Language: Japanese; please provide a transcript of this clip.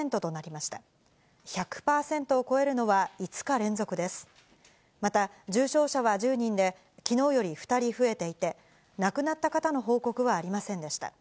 また、重症者は１０人で、きのうより２人増えていて、亡くなった方の報告はありませんでした。